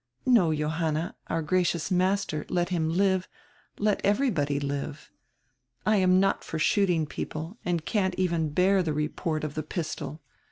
"No, Johanna, our gracious master, let him live, let everybody live. I am not for shooting people and can't even bear the report of the pistol.